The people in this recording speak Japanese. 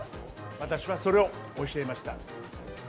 私はそれを教えました。